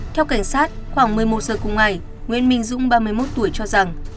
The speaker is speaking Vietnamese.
theo cảnh sát khoảng một mươi một giờ cùng ngày nguyễn minh dũng ba mươi một tuổi cho rằng